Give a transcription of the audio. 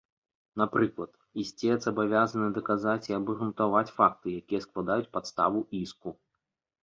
Напрыклад, ісцец абавязаны даказаць і абгрунтаваць факты, якія складаюць падставу іску.